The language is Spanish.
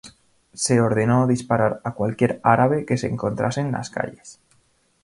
Se ordenó disparar a cualquier árabe que se encontrase en las calles.